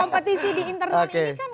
kompetisi di internal ini kan